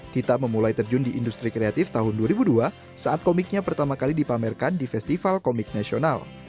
tita memulai terjun di industri kreatif tahun dua ribu dua saat komiknya pertama kali dipamerkan di festival komik nasional